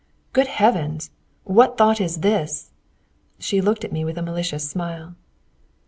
"Good Heavens! what thought is this?" She looked at me with a malicious smile.